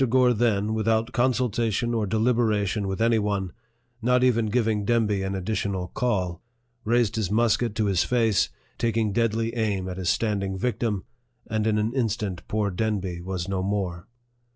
Gore then, without consultation or deliberation with any one, not even giving Demby an additional call, raised his musket to his face, taking deadly aim at his standing victim, and in an instant poor Demby was no more.